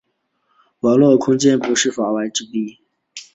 网络空间不是“法外之地”。